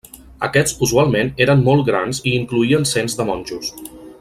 Aquests usualment eren molt grans i incloïen cents de monjos.